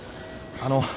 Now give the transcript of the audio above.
あの。